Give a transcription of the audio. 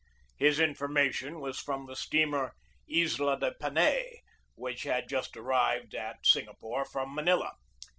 His infor mation was from the steamer Isla de Panay, which had just arrived at Singapore from Manila.